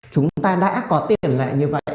chúng ta đã có tiền lệ như vậy